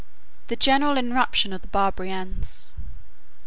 —The General Irruption Of The Barbari Ans.